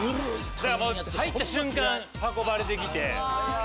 だからもう入った瞬間運ばれてきて。